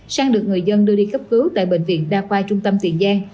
sang được người dân đưa đi cấp cứu tại bệnh viện đa khoa trung tâm tiền giang